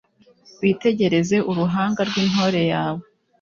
witegereze uruhanga rw'intore yawe